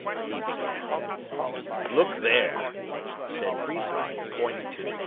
he began. "Look there!" said Friesshardt, pointing to the cap.